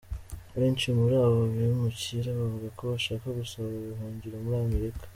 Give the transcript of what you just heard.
Benshi muri aba bimukira bavuga ko bashaka gusaba ubuhungiro muri Amerika.